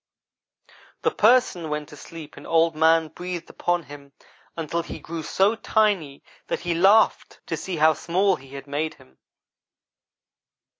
"The Person went to sleep and Old man breathed upon him until he grew so tiny that he laughed to see how small he had made him.